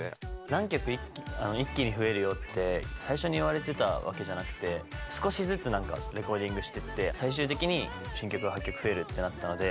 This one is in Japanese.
何曲一気に増えるよって最初に言われてたわけじゃなくて、少しずつレコーディングしていって、最終的に新曲が８曲増えるとなったので。